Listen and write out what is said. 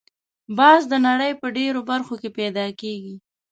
باز د نړۍ په ډېرو برخو کې پیدا کېږي